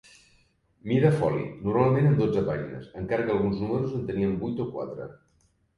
Mida foli, normalment amb dotze pàgines, encara que alguns números en tenien vuit o quatre.